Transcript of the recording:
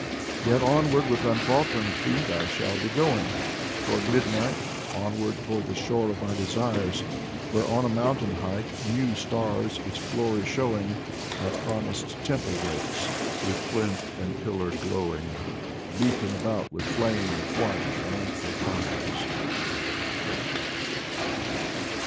• Yet onward with unfaltering feet I shall be going Toward midnight, onward toward the shore of my desires. Where on a mountain height, new stars its glory showing. My promised temple waits, with plinth and pillar glow ing. Beaten about with flame of white, triumphal fires.